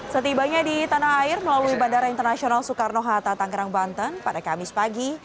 setibanya di tanah air melalui bandara internasional soekarno hatta tangerang banten pada kamis pagi